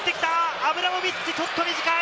アブラモビッチ、ちょっと短い！